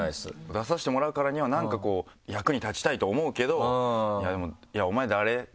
出させてもらうからにはなんかこう役に立ちたいと思うけどでも。